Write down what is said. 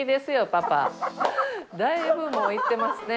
だいぶもういってますね。